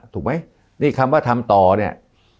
ถูกไหมนี่คำว่าทำต่อเนี่ย